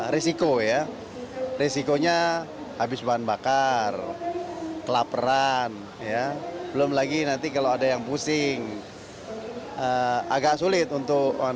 risiko ya risikonya habis bahan bakar kelaperan belum lagi nanti kalau ada yang pusing agak sulit untuk